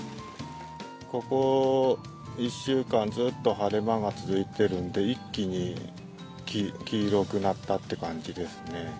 ここ１週間、ずっと晴れ間が続いてるんで、一気に黄色くなったっていう感じですね。